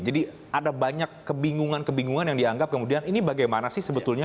jadi ada banyak kebingungan kebingungan yang dianggap kemudian ini bagaimana sih sebetulnya